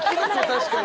確かに。